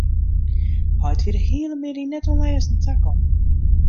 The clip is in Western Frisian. Heit wie de hiele middei net oan lêzen takommen.